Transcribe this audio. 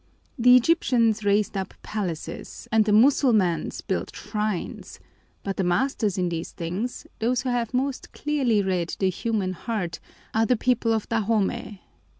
The Egyptians raised up palaces and the Mussulmans built shrines, but the masters in these things, those who have most clearly read the human heart, are the people of Dahomey.